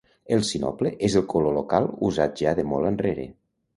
El sinople és el color local, usat ja de molt enrere.